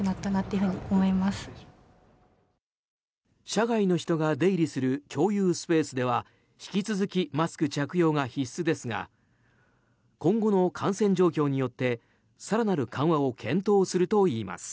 社外の人が出入りする共有スペースでは引き続きマスク着用が必須ですが今後の感染状況によって更なる緩和を検討するといいます。